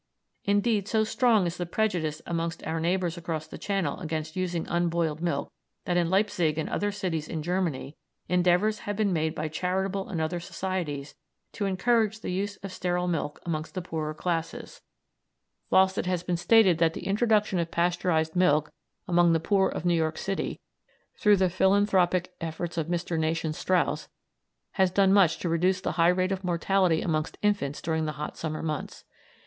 Indeed, so strong is the prejudice amongst our neighbours across the Channel against using unboiled milk that in Leipzig and other cities in Germany endeavours have been made by charitable and other societies to encourage the use of sterile milk amongst the poorer classes, whilst it has been stated that the introduction of Pasteurised milk among the poor of New York City, through the philanthropic efforts of Mr. Nathan Straus, has done much to reduce the high rate of mortality amongst infants during the hot summer months.